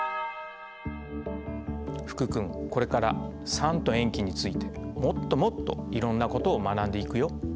福君これから酸と塩基についてもっともっといろんなことを学んでいくよ。